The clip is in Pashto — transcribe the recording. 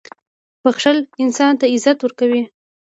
• بښل انسان ته عزت ورکوي.